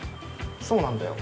そうなんだよ。